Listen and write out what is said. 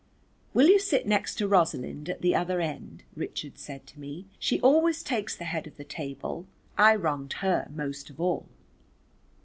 "Will you sit next to Rosalind at the other end," Richard said to me. "She always takes the head of the table, I wronged her most of all."